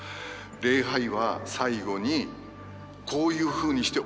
礼拝は最後にこういうふうにして終わります。